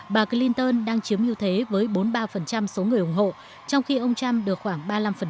bà clinton đang chiếm ưu thế với bốn mươi ba số người ủng hộ trong khi ông trump được khoảng ba mươi năm